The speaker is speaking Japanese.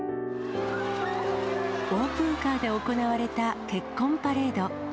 オープンカーで行われた結婚パレード。